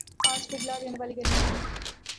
آج پگھلا دینے والی گرمی ہے